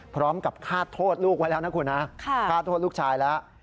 พร้อมกับฆาตโทษลูกไว้แล้วนะคุณฆาตโทษลูกชายแล้ว